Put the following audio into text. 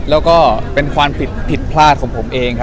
แล้วก็เป็นความผิดผิดพลาดของผมเอง